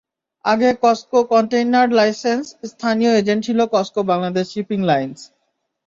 আগে Cosco container লাইনসের স্থানীয় এজেন্ট ছিল কসকো বাংলাদেশ শিপিং লাইনস।